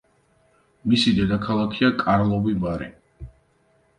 მისი დედაქალაქია კარლოვი-ვარი.